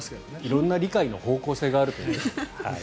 色んな理解の方向性があるということで。